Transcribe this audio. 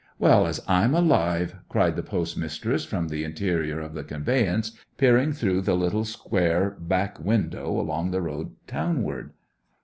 'Well, as I'm alive!' cried the postmistress from the interior of the conveyance, peering through the little square back window along the road townward.